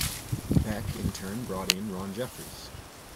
Beck in turn brought in Ron Jeffries.